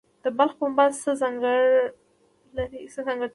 د بلخ پنبه څه ځانګړتیا لري؟